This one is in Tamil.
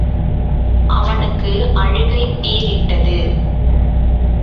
அவனுக்கு அழுகை பீறிட்டது.